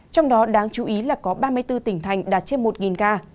trong đó đáng chú ý là có ba mươi bốn tỉnh thành đạt trên một ca